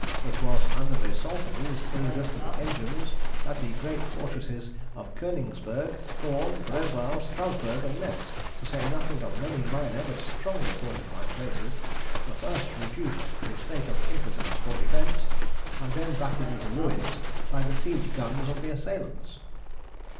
It was under the assault of these irresistible engines that the great fortresses of Königsberg, Thorn, Breslau, Strasburg, and Metz, to say nothing of many minor, but strongly fortified, places, were first reduced to a state of impotence for defence, and then battered into ruins by the siege guns of the assailants.